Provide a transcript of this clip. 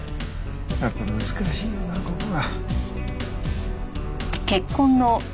やっぱり難しいよなここは。